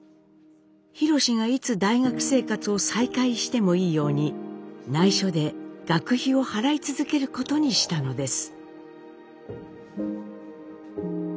ひろしがいつ大学生活を再開してもいいようにないしょで学費を払い続けることにしたのです。